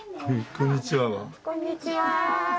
こんにちは。